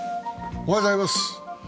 おはようございます。